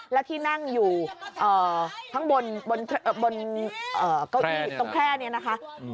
แล้วที่นั่งอยู่เอ่อทั้งบนบนเอ่อเก้าอี้ตรงแค่เนี้ยนะคะอืม